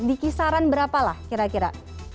di kisaran berapa lah kira kira